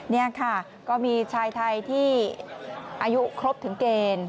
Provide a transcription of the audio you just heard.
นี่ค่ะก็มีชายไทยที่อายุครบถึงเกณฑ์